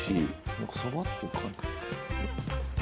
何かそばっていうか。